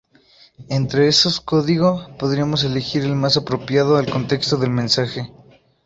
Entre esos código podríamos elegir el más apropiado al contexto del mensaje.